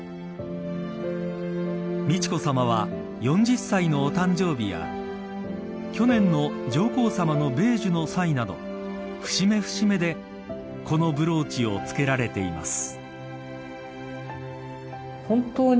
美智子さまは４０歳のお誕生日や去年の上皇さまの米寿の際など節目節目でこのブローチを着けられています。